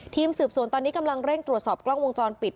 ทีมสืบสวนตอนนี้กำลังเร่งตรวจสอบกล้องวงจรปิด